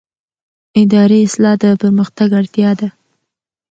اداري اصلاح د پرمختګ اړتیا ده